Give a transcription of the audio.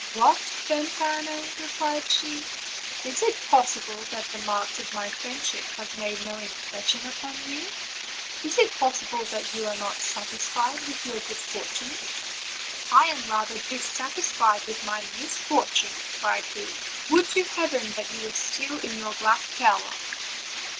"What, Fanfarinet!" replied she, "is it possible that the marks of my friendship have made no impression upon you ? Is it possible that you are not satisfied with your good fortune?" "I am rather dissatisfied with my misfortune," cried he; "would to heaven that you were still in your black tower!"